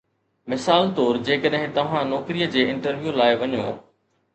مثال طور جيڪڏهن توهان نوڪريءَ جي انٽرويو لاءِ وڃو